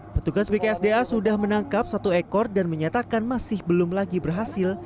petugas bksda sudah menangkap satu ekor dan menyatakan masih belum lagi berhasil